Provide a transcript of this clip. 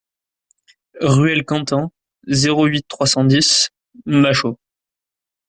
Ruelle Quentin, zéro huit, trois cent dix Machault